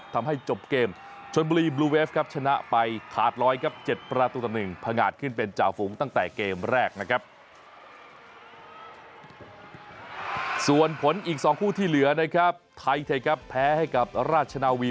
ตั้งแต่เกมแรกส่วนผลอีก๒คู่ที่เหลือไทยแพ้กับราชนาวี